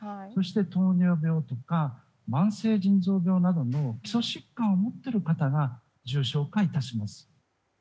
そして糖尿病とか慢性腎臓病などの基礎疾患を持っている方が重症化致します。